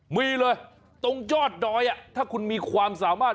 มีเลยตรงยอดดอยถ้าคุณมีความสามารถ